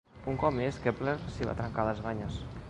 Un cop més, Kepler s'hi va trencar les banyes.